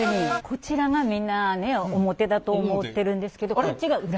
こちらがみんなね表だと思ってるんですけど裏。